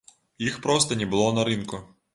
Іх проста не было на рынку!